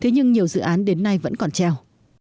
thế nhưng nhiều dự án đến nay vẫn còn treo